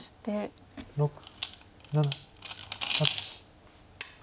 ６７８。